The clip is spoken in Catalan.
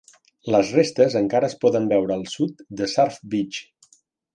Les restes encara es poden veure al sud de Surf Beach.